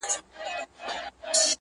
o چي وخت د ښکار سي، تازي اسهال سي.